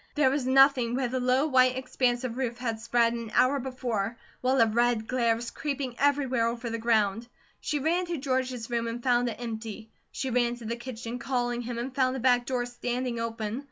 There was nothing where the low white expanse of roof had spread an hour before, while a red glare was creeping everywhere over the ground. She ran to George's room and found it empty. She ran to the kitchen, calling him, and found the back door standing open.